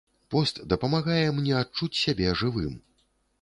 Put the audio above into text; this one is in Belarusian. Пост дапамагае мне адчуць сябе жывым.